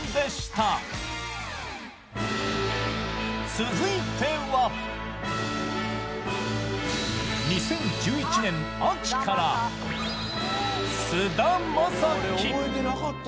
続いては２０１１年秋から菅田将暉。